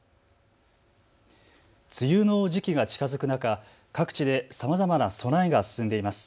梅雨の時期が近づく中、各地でさまざまな備えが進んでいます。